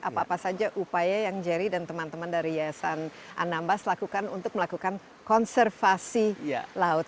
apa apa saja upaya yang jerry dan teman teman dari yayasan anambas lakukan untuk melakukan konservasi laut